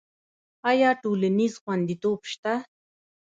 آیا ټولنیز خوندیتوب شته؟